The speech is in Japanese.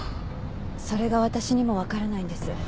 それが私にもわからないんです。